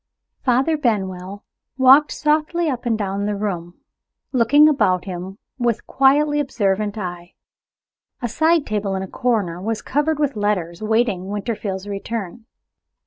Father Benwell walked softly up and down the room, looking about him with quietly observant eye. A side table in a corner was covered with letters, waiting Winterfield's return.